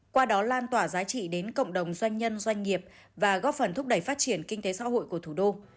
qua đó lan tỏa giá trị đến cộng đồng doanh nhân doanh nghiệp và góp phần thúc đẩy phát triển kinh tế xã hội của thủ đô